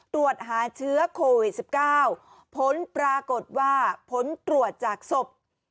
ตรวจหาเชื้อโควิดสิบเก้าพ้นปรากฏว่าพ้นตรวจจากศพ